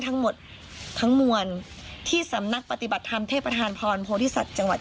ทั้งหมดทั้งมวลที่สำนักปฏิบัติธรรมเทพธานพรโพธิสัตว์จังหวัด